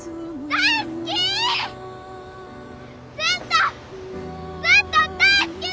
大好き！